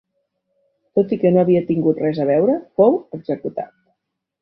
Tot i que no hi havia tingut res a veure, fou executat.